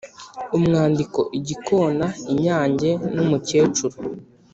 umwandiko: igikona inyange nu mukecuru